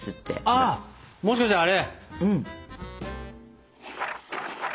ああもしかしてあれ？